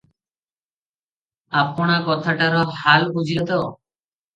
ଆପଣା କଥାଟାର ହାଲ ବୁଝିଲେ ତ?